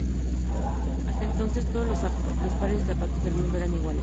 Hasta entonces todos los pares de zapatos del mundo eran iguales.